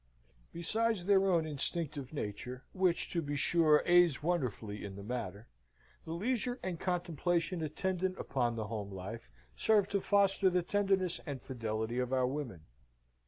Besides their own instinctive nature (which to be sure aids wonderfully in the matter), the leisure and contemplation attendant upon their home life serve to foster the tenderness and fidelity of our women.